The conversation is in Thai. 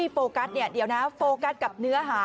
โฟกัสกับเนื้อหา